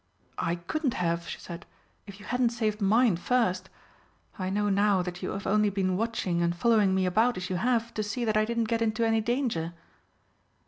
"I couldn't have," she said, "if you hadn't saved mine first. I know now that you have only been watching and following me about as you have to see that I didn't get into any danger?"